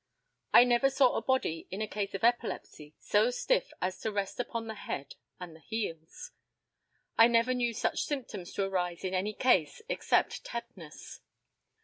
I never saw a body in a case of epilepsy so stiff as to rest upon the head and the heels. I never knew such symptoms to arise in any case except tetanus.